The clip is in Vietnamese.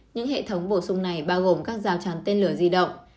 những hệ thống bổ sung này bao gồm các rào chắn tên lửa di động